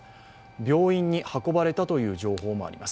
病院に運ばれたという情報もあります。